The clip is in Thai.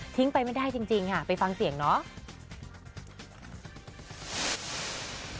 ไปไม่ได้จริงค่ะไปฟังเสียงเนาะ